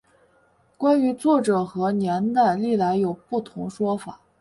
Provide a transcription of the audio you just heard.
关于作者和年代历来有不同说法。